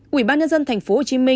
quỹ ban nhân dân tp hcm